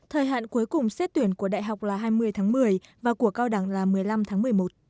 thời hạn cuối cùng xét tuyển của đại học là hai mươi tháng một mươi và của cao đẳng là một mươi năm tháng một mươi một